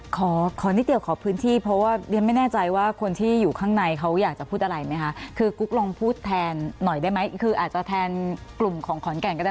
ขอขอนิดเดียวขอพื้นที่เพราะว่าเรียนไม่แน่ใจว่าคนที่อยู่ข้างในเขาอยากจะพูดอะไรไหมคะคือกุ๊กลองพูดแทนหน่อยได้ไหมคืออาจจะแทนกลุ่มของขอนแก่นก็ได้